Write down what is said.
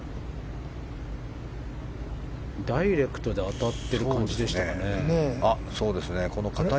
ダイレクトで当たってる感じでしたよね。